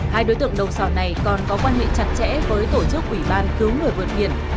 hai đối tượng đầu sòn này còn có quan hệ chặt chẽ với tổ chức quỷ ban cứu người vượt hiển